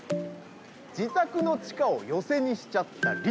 自宅の地下を寄席にしちゃった理事。